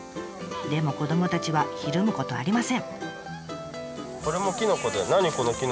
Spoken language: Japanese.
でも子どもたちはひるむことはありません。